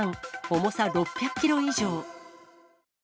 重さ６００キロ以上。